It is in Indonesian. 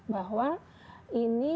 bahwa ini barang ini